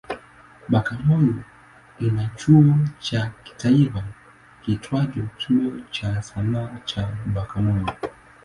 Bagamoyo ina chuo cha kitaifa kiitwacho Chuo cha Sanaa cha Bagamoyo.